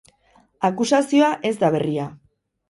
Akusazioa ez da berria.